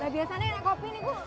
biasanya ada kopi di sini bu